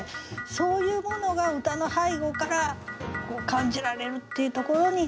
そういうものが歌の背後から感じられるっていうところに。